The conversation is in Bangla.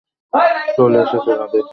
চলে এসেছে, রাধে।